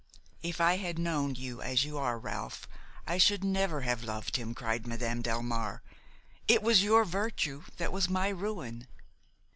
"If I had known you as you are, Ralph, I should never have loved him," cried Madame Delmare; "it was your virtue that was my ruin."